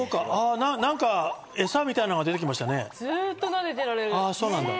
エサみたいなの出てきましたね。